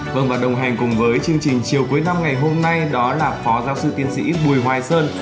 vâng và đồng hành cùng với chương trình chiều cuối năm ngày hôm nay đó là phó giáo sư tiên sĩ bùi hoài sơn